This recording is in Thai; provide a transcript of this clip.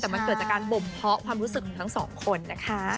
แต่มันเกิดจากการบ่มเพาะความรู้สึกของทั้งสองคนนะคะ